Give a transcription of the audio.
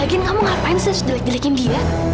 eh legin kamu ngapain sih jelek jelekin dia